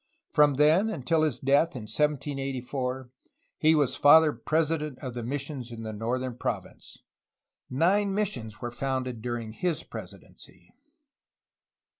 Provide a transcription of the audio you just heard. From then until his death in 1784 he was Father President of the missions in the northern province. Nine missions were founded during his presidency.